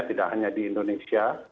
tidak hanya di indonesia